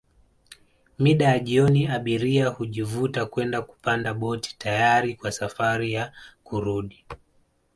Mida ya jioni abiria hujivuta kwenda kupanda boti tayari kwa safari ya kurudi